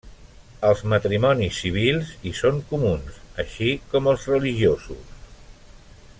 Els matrimonis civils hi són comuns, així com els religiosos.